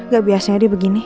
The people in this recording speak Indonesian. gak biasa dia begini